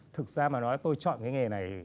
thực ra mà nói tôi chọn cái nghề này